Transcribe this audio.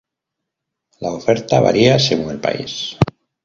La oferta varía según el país.